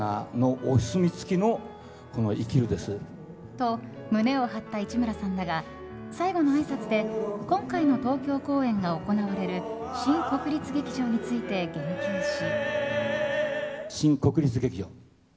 と、胸を張った市村さんだが最後のあいさつで今回の東京公演が行われる新国立劇場について言及し。